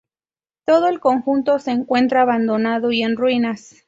Todo el conjunto se encuentra abandonado y en ruinas.